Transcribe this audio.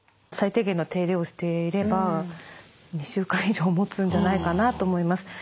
最低限の手入れをしていれば２週間以上もつんじゃないかなと思います。